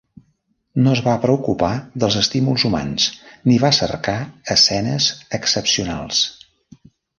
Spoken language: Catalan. No es va preocupar dels estímuls humans ni va cercar escenes excepcionals.